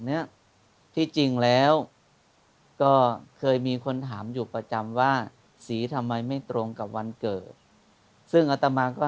เนี้ยที่จริงแล้วก็เคยมีคนถามอยู่ประจำว่าสีทำไมไม่ตรงกับวันเกิดซึ่งอัตมาก็